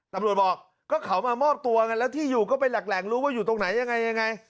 ตำรวจบอกก็เขามามอบตัวก็ไปหลักแหลงรู้ว่าอยู่ตรงไหนยังไง